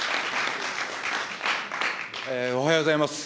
おはようございます。